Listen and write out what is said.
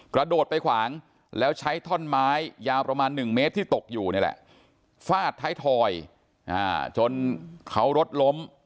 กระโดดไปขวางแล้วใช้ท่อนไม้ยาวประมาณ๑เมตรที่ตกอยู่นี่แหละฟาดท้ายทอยจนเขารถล้ม